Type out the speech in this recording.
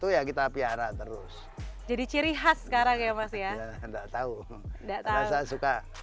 ya kita piara terus jadi ciri khas sekarang ya masih enggak tahu enggak tahu saya suka